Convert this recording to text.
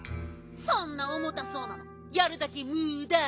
そんなおもたそうなのやるだけむだ。